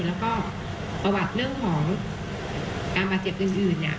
แล้วก็ประวัติเรื่องของการบาดเจ็บอื่นเนี่ย